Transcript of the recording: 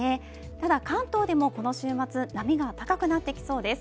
ただ関東でもこの週末波が高くなってきそうです